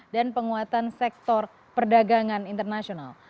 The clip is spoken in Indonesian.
dan penguatan sektor perdagangan internasional